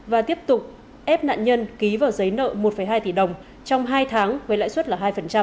và tiếp tục ép nạn nhân ký vào giấy nợ một hai tỷ đồng trong hai tháng với lãi suất là hai